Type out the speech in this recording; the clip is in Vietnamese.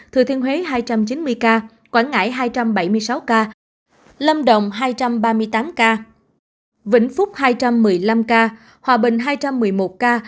thừa thiên huế hai trăm chín mươi ca quảng ngãi hai trăm bảy mươi sáu ca lâm đồng hai trăm ba mươi tám ca vĩnh phúc hai trăm một mươi năm ca hòa bình hai trăm một mươi một ca